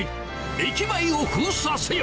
駅前を封鎖せよ。